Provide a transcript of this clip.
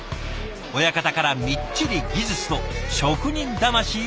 親方からみっちり技術と職人魂を教わりました。